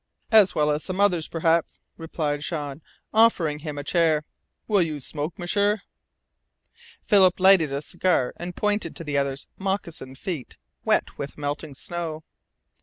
"As well as some others, perhaps," replied Jean, offering him a chair. "Will you smoke, M'sieur?" Philip lighted a cigar, and pointed to the other's moccasined feet, wet with melting snow.